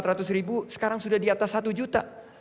tadinya rp tiga ratus empat ratus sekarang sudah di atas rp satu juta